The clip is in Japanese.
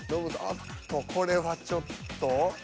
あっとこれはちょっと。